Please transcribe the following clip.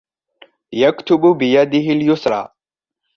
يكتب بيده اليسرى.